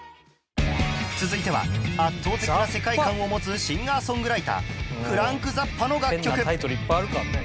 続いては圧倒的な世界観を持つシンガーソングライターフランク・ザッパの楽曲